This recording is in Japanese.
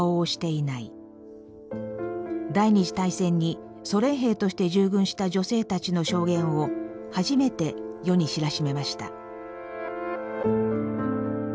第２次大戦にソ連兵として従軍した女性たちの証言を初めて世に知らしめました。